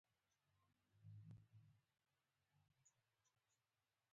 نو د حماقت په سيند کښې ډوبېږي.